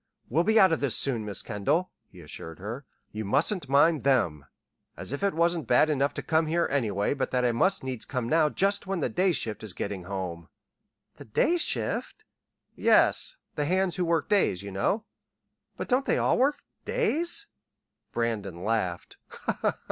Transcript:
"We'll be out of this soon, Miss Kendall," he assured her. "You mustn't mind them. As if it wasn't bad enough to come here anyway but that I must needs come now just when the day shift is getting home!" "The day shift?" "Yes; the hands who work days, you know." "But don't they all work days?" Brandon laughed.